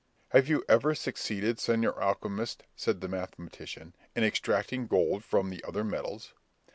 "Have you ever succeeded, Señor Alchemist," said the mathematician, "in extracting gold from the other metals?"